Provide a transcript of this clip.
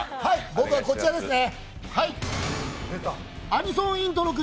僕はこちらですね。